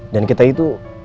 dan kita itu